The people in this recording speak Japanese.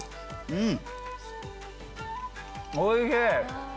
うん！